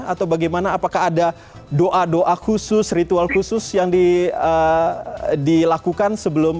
atau bagaimana apakah ada doa doa khusus ritual khusus yang dilakukan sebelum